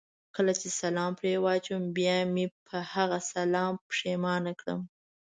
چې کله پرې سلام واچوم بیا مې په هغه سلام پښېمانه کړم.